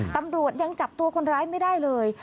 ตำรวจยังจับตัวคนร้ายไม่ได้เลย